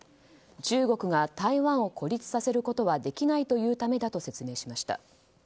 中国が台湾を孤立させることはできないと言うためだと説明しました。